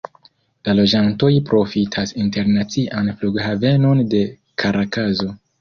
La loĝantoj profitas internacian flughavenon de Karakaso.